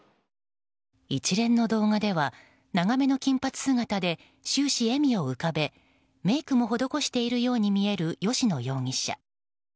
一連の動画では長めの金髪姿で終始、笑みを浮かべメイクも施しているように見える吉野容疑者。